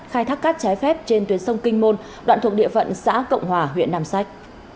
khai thác cát trái phép trên tuyến sông kinh môn đoạn thuộc địa phận xã cộng hòa huyện nam sách